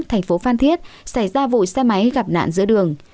thành phố phan thiết xảy ra vụ xe máy gặp nạn giữa đường